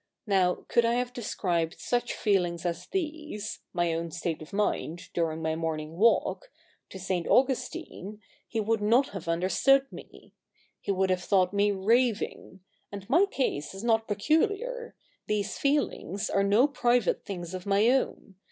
Now, could I have described such feelings as these — my own state of mind during my morning walk — to St. Augustine, he would not have understood me. He would have thought me raving. And my case is not peculiar. These feelings are no private things of my own.